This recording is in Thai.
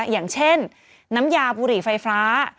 อย่างเช่นน้ำยาบุหรี่ไฟฟ้า